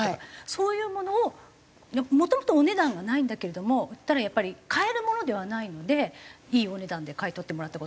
そういうものをもともとお値段がないんだけれどもやっぱり買えるものではないのでいいお値段で買い取ってもらった事あります。